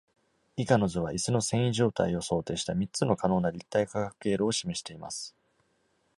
以下の図は、椅子の遷移状態を想定した三つの可能な立体化学経路を示しています。